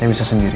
aku bisa sendiri